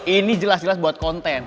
ini jelas jelas buat konten